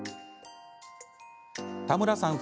田村さん